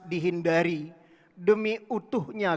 dihindari demi utuhnya